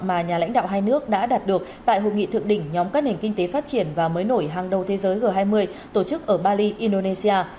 mà nhà lãnh đạo hai nước đã đạt được tại hội nghị thượng đỉnh nhóm các nền kinh tế phát triển và mới nổi hàng đầu thế giới g hai mươi tổ chức ở bali indonesia